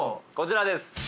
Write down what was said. こちらです。